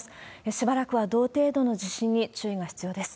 しばらくは同程度の地震に注意が必要です。